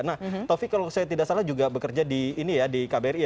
nah taufik kalau saya tidak salah juga bekerja di kbri